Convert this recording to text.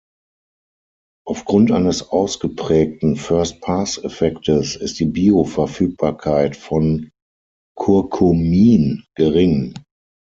Aufgrund eines ausgeprägten First-Pass-Effektes ist die Bioverfügbarkeit von Curcumin gering.